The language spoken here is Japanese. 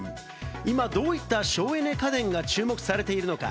今どういった省エネ家電が注目されているのか？